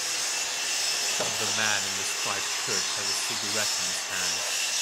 The man in the striped shirt has a cigarette in his hand.